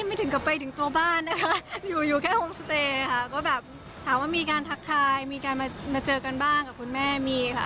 ไม่ถึงกลับไปถึงตัวบ้านนะคะอยู่อยู่แค่โฮมสเตย์ค่ะก็แบบถามว่ามีการทักทายมีการมาเจอกันบ้างกับคุณแม่มีค่ะ